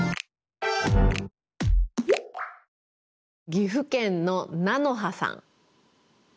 岐阜県のなのはさん。